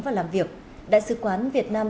và làm việc đại sứ quán việt nam